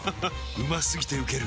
うま過ぎてウケる